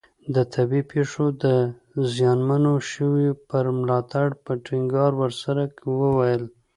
د طبیعي پېښو د زیانمنو شویو پر ملاتړ په ټینګار سره وویل.